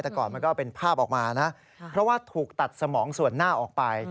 แต่ก่อนมันก็เป็นภาพออกมานะเพราะว่าถูกตัดสมองส่วนหน้าออกไป